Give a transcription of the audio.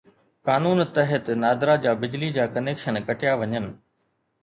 قانون تحت نادارن جا بجلي جا ڪنيڪشن ڪٽيا وڃن